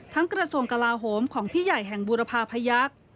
กระทรวงกลาโหมของพี่ใหญ่แห่งบุรพาพยักษ์